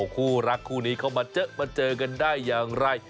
คู่รักคู่นี้เขามาเจอมาเจอกันได้อย่างไร